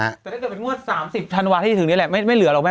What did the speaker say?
จะได้เป็นงวด๓๐ธันวาที่จะถึงนี้แหละไม่เหลือหรอกแม่